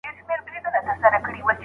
د انټرنیټ سرعت ورځ په ورځ زیاتیږي.